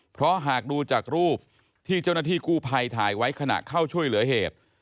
เพราะหากดูจากรูปที่เจ้าหน้าที่กู้ภัยถ่ายไว้ขณะเข้าช่วยเหลือเหตุ